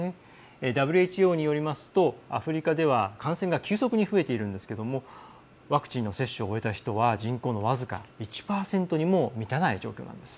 ＷＨＯによりますとアフリカでは感染が急速に増えているんですけれどもワクチンの接種を終えた人は人口の僅か１％にも満たない状況なんです。